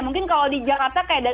mungkin kalau di jakarta kayak